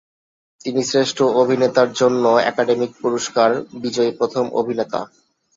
তিনি শ্রেষ্ঠ অভিনেতার জন্য একাডেমি পুরস্কার বিজয়ী প্রথম অভিনেতা।